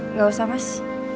nggak usah mas